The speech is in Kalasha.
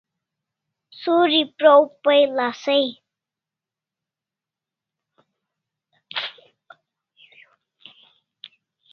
Suri praw pay lasai